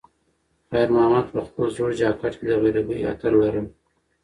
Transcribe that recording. خیر محمد په خپل زوړ جاکټ کې د غریبۍ عطر لرل.